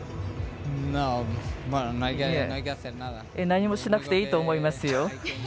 何もしなくていいと思いますよ。